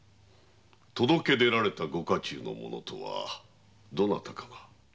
届け出られたご家中の者とはどなたかな？